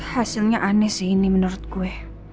hasilnya aneh sih ini menurut gue